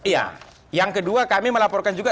ya yang kedua kami melaporkan juga